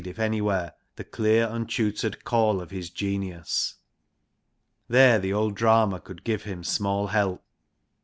INTRODUCTION xliii clear untutored call of his genius. There the old drama could give him small help.